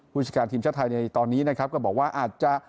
ผู้จัดการทีมชาติไทยในตอนนี้นะครับก็บอกว่าอาจจะ